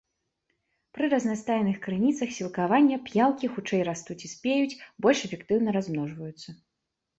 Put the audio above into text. Пры разнастайных крыніцах сілкавання п'яўкі хутчэй растуць і спеюць, больш эфектыўна размножваюцца.